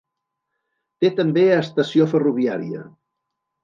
Té també estació ferroviària.